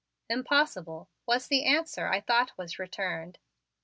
"Impossible," was the answer I thought was returned.